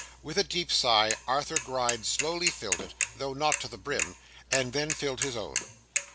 With a deep sigh, Arthur Gride slowly filled it though not to the brim and then filled his own.